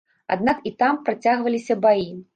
Аднак і там працягваліся баі.